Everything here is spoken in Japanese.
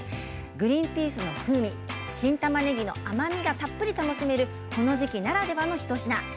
グリンピースの風味新たまねぎの甘みがたっぷり楽しめるこの時期ならではの一品です。